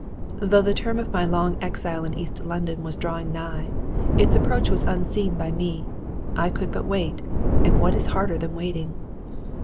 Though the term of my long exile in East London was drawing nigh, its approach was unseen by me. I could but wait; and what is harder than waiting?